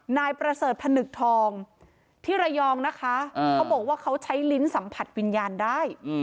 นายประเสริฐพนึกทองที่ระยองนะคะเขาบอกว่าเขาใช้ลิ้นสัมผัสวิญญาณได้